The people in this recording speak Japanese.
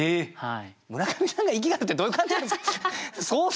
村上さんがイキがるってどういう感じなんですか？